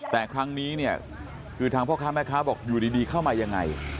แต่ครั้งนี้เนี่ยคือทางพ่อค้าแม่ค้าบอกอยู่ดีเข้ามายังไง